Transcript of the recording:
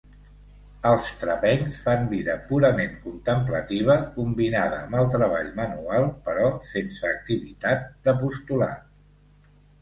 Els trapencs fan vida purament contemplativa, combinada amb el treball manual, però sense activitat d'apostolat.